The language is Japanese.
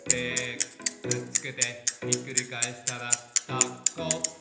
「くっつけてひっくり返したらタコ」